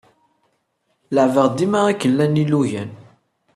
Leɛɛbeɣ dima akken llan ilugan.